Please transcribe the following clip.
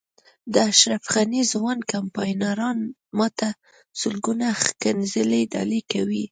د اشرف غني ځوان کمپاینران ما ته سلګونه ښکنځلې ډالۍ کوي.